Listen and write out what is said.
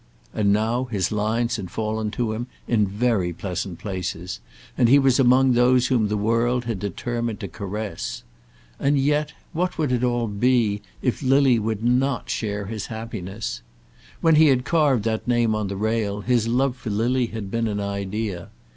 And now his lines had fallen to him in very pleasant places, and he was among those whom the world had determined to caress. And yet, what would it all be if Lily would not share his happiness? When he had carved that name on the rail, his love for Lily had been an idea.